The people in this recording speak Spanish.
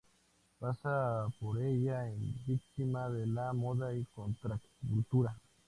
Pasas por ella en Victima de la moda y Contracultura.